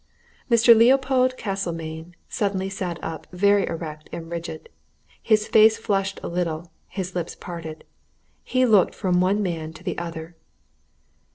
Mr. Leopold Castlemayne suddenly sat up very erect and rigid. His face flushed a little, his lips parted; he looked from one man to the other.